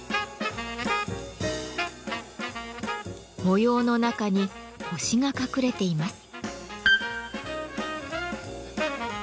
模様の中に「星」が隠れています。